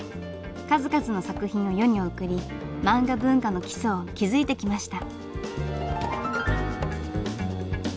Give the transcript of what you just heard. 数々の作品を世に送り漫画文化の基礎を築いてきました。